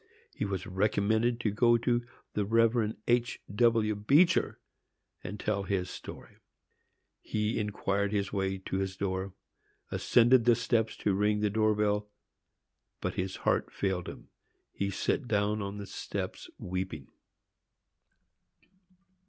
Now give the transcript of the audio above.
He was recommended to go to the Rev. H. W. Beecher, and tell his story. He inquired his way to his door,—ascended the steps to ring the door bell, but his heart failed him,—he sat down on the steps weeping!